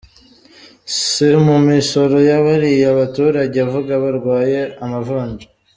Si mumisoro yabariya baturage uvuga barwaye amavunja?